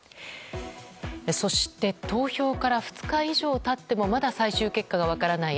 そして投票から２日以上経ってもまだ最終結果が分からない